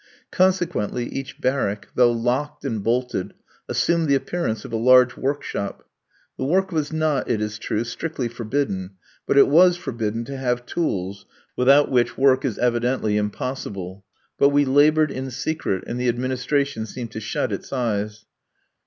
Consequently each barrack, though locked and bolted, assumed the appearance of a large workshop. The work was not, it is true, strictly forbidden, but it was forbidden to have tools, without which work is evidently impossible. But we laboured in secret, and the administration seemed to shut its eyes.